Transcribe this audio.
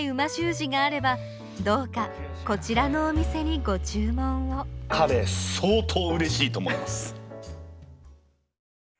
字があればどうかこちらのお店にご注文をかれ相当うれしいと思います。